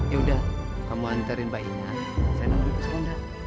ya udah kamu hantarin pak hina saya nanggul di pusul anda